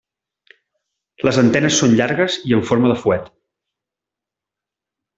Les antenes són llargues i amb forma de fuet.